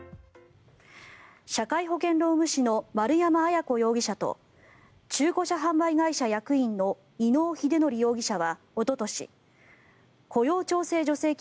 社会保険労務士の丸山文子容疑者と中古車販売会社役員の伊能英徳容疑者はおととし雇用調整助成金